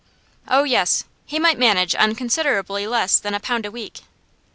Oh yes, he might manage on considerably less than a pound a week.